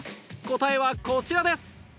答えはこちらです